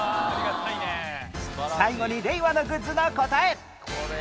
最後に令和のグッズの答え